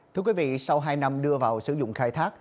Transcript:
thưa quý vị sau hai năm đưa vào sử dụng khai thác